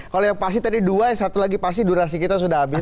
kalau yang pasti tadi dua yang satu lagi pasti durasi kita sudah habis